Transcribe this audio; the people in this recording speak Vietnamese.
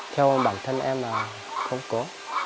theo bản thân em là không có